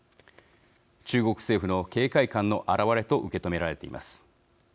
中国政府の警戒感の表れと受け止められています。